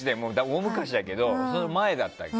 大昔だけど、その前だっけ。